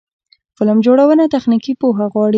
فلم جوړونه تخنیکي پوهه غواړي.